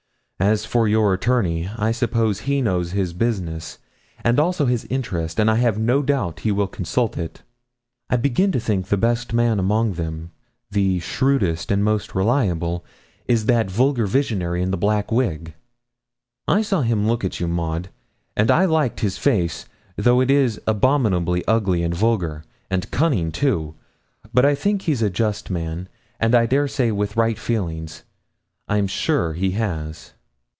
As for your attorney, I suppose he knows his business, and also his interest, and I have no doubt he will consult it. I begin to think the best man among them, the shrewdest and the most reliable, is that vulgar visionary in the black wig. I saw him look at you, Maud, and I liked his face, though it is abominably ugly and vulgar, and cunning, too; but I think he's a just man, and I dare say with right feelings I'm sure he has.'